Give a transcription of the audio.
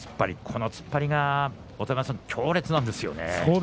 この突っ張りが、音羽山さん強烈なんですよね。